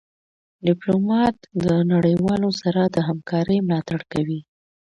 ډيپلومات د نړېوالو سره د همکارۍ ملاتړ کوي.